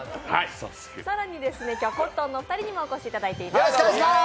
更にコットンのお二人にもお越しいただいています。